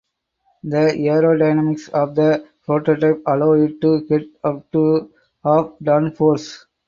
The aerodynamics of the prototype allow it to get up to of downforce.